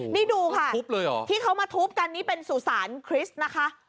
นี่ดูค่ะที่เขามาทุบกันนี่เป็นสุสานคริสต์นะคะ